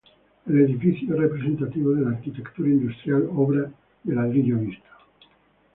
El edificio es representativo de la arquitectura industrial obra de ladrillo visto.